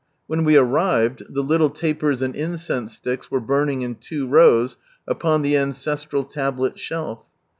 When we arrived the little tapers and incense sticks were burning in two rows, upon the ancestral tablet shelf.